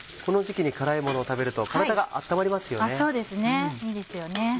この時期に辛いものを食べると体が温まりますよね。